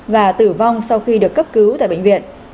và tử vong sau khi được cấp cứu tại bệnh viện